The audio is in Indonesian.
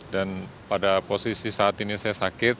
dan pada posisi saat ini saya sakit